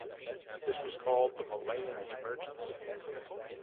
This was called the Malayan Emergency.